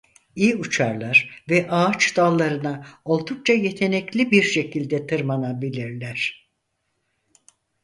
İyi uçarlar ve ağaç dallarına oldukça yetenekli bir şekilde tırmanabilirler.